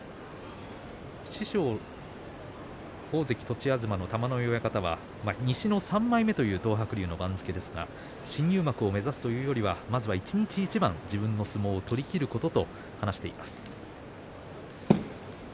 師匠の大関栃東の玉ノ井親方は西の３枚目という東白龍の番付ですが新入幕を目指すというよりはまずは一日一番自分の相撲を取りきることと話しています。